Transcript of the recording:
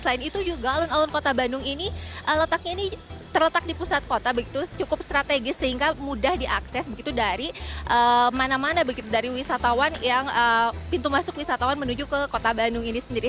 selain itu juga alun alun kota bandung ini terletak di pusat kota begitu cukup strategis sehingga mudah diakses begitu dari mana mana begitu dari wisatawan yang pintu masuk wisatawan menuju ke kota bandung ini sendiri